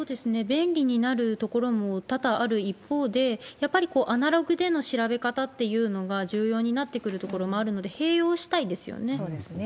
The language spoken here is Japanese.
便利になるところも多々ある一方で、やっぱりアナログでの調べ方っていうのが重要になってくる場面もそうですね。